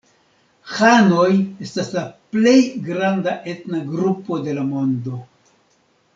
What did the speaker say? Hanoj estas la plej granda etna grupo de la mondo.